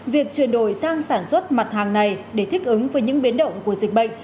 việc chuyển đổi sang sản xuất mặt hàng này để thích ứng với những biến động của dịch bệnh